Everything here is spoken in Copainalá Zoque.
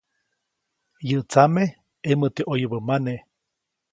Yäʼ tsame ʼemoʼte ʼoyubä mane.